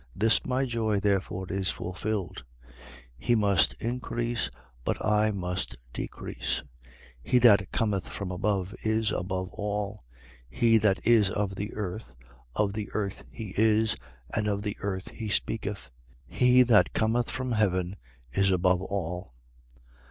This my joy therefore is fulfilled. 3:30. He must increase: but I must decrease. 3:31. He that cometh from above is above all. He that is of the earth, of the earth he is, and of the earth he speaketh. He that cometh from heaven is above all.